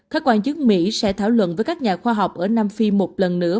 các quan chức mỹ sẽ thảo luận với các nhà khoa học ở nam phi một lần nữa